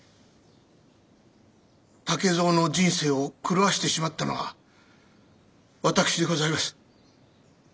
竹蔵の人生を狂わしてしまったのは私でございます。